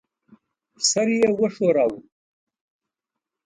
سر یې وښوراوه.